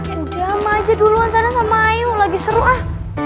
ya udah sama aja duluan sana sama ayu lagi seru ah